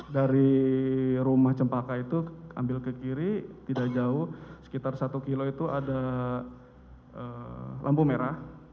dari rumah cempaka itu ambil ke kiri tidak jauh sekitar satu kilo itu ada lampu merah